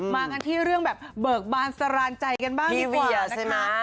มากันที่เรื่องแบบเบิกบานสาราญใจกันบ้างดีกว่าพิเวียสิมั้ย